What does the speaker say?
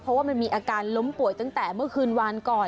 เพราะว่ามันมีอาการล้มป่วยตั้งแต่เมื่อคืนวานก่อน